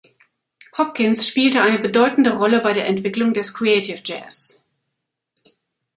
Hopkins spielte eine bedeutende Rolle bei der Entwicklung des Creative Jazz.